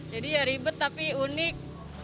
jadi ya ribet tapi unik